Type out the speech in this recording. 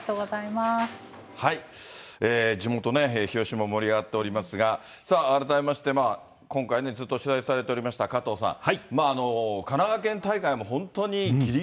地元ね、日吉も盛り上がっておりますが、さあ、改めまして今回、ずっと取材をされておりました、加藤さん。